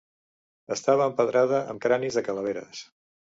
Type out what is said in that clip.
Estava empedrada amb cranis de calaveres.